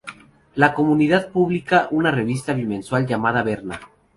La comunidad publica una revista bimensual llamada Berna.